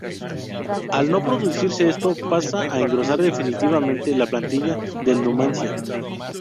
Al no producirse esto, pasa a engrosar definitivamente la plantilla del Numancia.